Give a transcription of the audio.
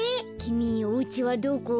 きみおうちはどこ？